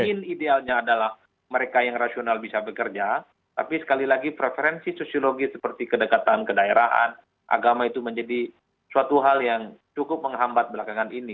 mungkin idealnya adalah mereka yang rasional bisa bekerja tapi sekali lagi preferensi sosiologi seperti kedekatan kedaerahan agama itu menjadi suatu hal yang cukup menghambat belakangan ini